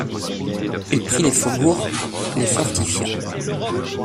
Il prit les faubourgs, les fortifia.